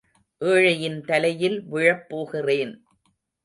ஏழையின் தலையில் விழப் போகிறேன்.